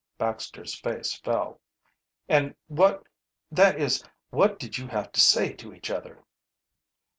Baxter's face fell. "And what that is what did you have to say to each other?"